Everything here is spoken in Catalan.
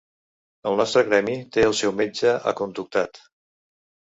El nostre gremi té el seu metge aconductat.